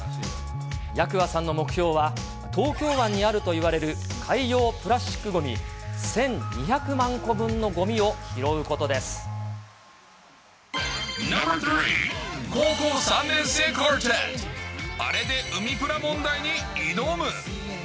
八鍬さんの目標は、東京湾にあるといわれる海洋プラスチックごみ１２００万個分のごナンバー３、高校３年生カルテット、あれで海プラ問題に挑む。